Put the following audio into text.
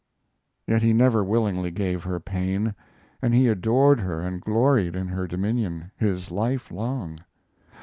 Yet he never willingly gave her pain, and he adored her and gloried in her dominion, his life long.